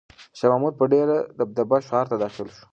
شاه محمود په ډېره دبدبه ښار ته داخل شو.